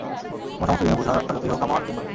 তোমার সমস্ত ঋণের বোঝা, তা যতোই হোক আমার জিম্মায়।